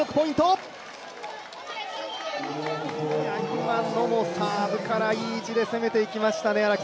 今のもサーブからいい位置で攻めていきましたね。